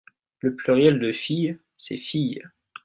le pluriel de fille c'est filles.